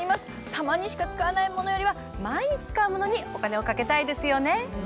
たまにしか使わないものよりは毎日使うものにお金をかけたいですよね。